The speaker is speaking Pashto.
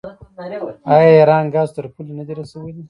آیا ایران ګاز تر پولې نه دی رسولی؟